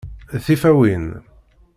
Tifawin!